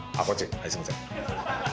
はいすみません。